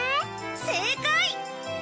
正解！